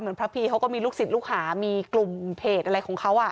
พระพีเขาก็มีลูกศิษย์ลูกหามีกลุ่มเพจอะไรของเขา